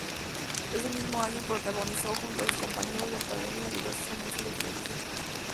Ese mismo año protagonizó junto a sus compañeros de academia diversos anuncios de televisión.